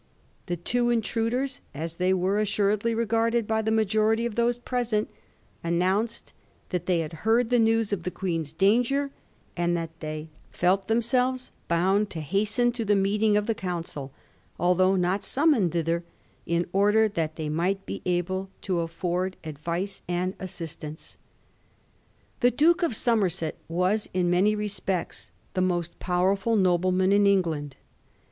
The two intruders, as they were assuredly regarded by the majority of those present, announced that they had heard the news of the Queen's danger, and that they felt themselves bound to hasten to the meeting of the Council, although not summoned thither, in order that they might be able to afford advice and assistance. The Duke of Somerset was in many respects the most powerful nobleman in England.